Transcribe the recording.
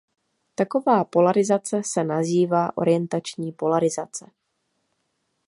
Taková polarizace se nazývá orientační polarizace.